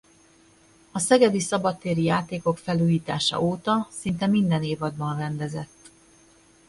A Szegedi Szabadtéri Játékok felújítása óta szinte minden évadban rendezett.